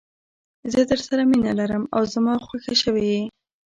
زه درسره مینه لرم او زما خوښه شوي یې.